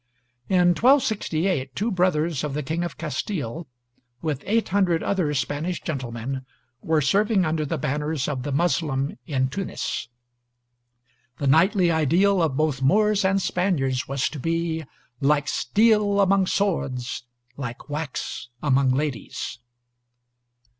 In 1268 two brothers of the King of Castile, with 800 other Spanish gentlemen, were serving under the banners of the Muslim in Tunis. The knightly ideal of both Moors and Spaniards was to be "Like steel among swords, Like wax among ladies."